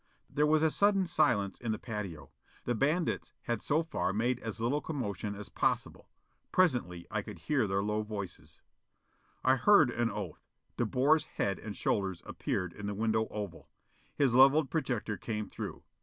There was a sudden silence in the patio. The bandits had so far made as little commotion as possible. Presently I could hear their low voices. I heard an oath. De Boer's head and shoulders appeared in the window oval! His levelled projector came through.